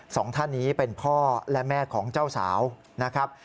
สองท่านนี้เป็นพ่อและแม่ของเจ้าสาวนะครับ